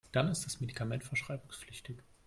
Dann ist das Medikament verschreibungspflichtig.